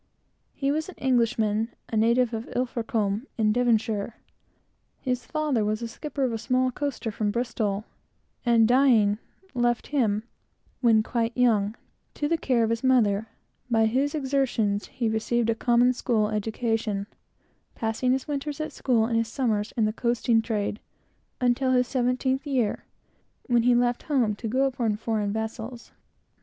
He was an Englishman, by birth, a native of Ilfracomb, in Devonshire. His father was skipper of a small coaster, from Bristol, and dying, left him, when quite young, to the care of his mother, by whose exertions he received a common school education, passing his winters at school and his summers in the coasting trade, until his seventeenth year, when he left home to go upon foreign voyages.